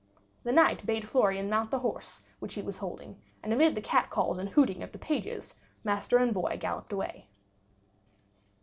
The Knight bade Florian mount the horse which he was holding; and amid the cat calls and hooting of the pages, master and boy galloped away.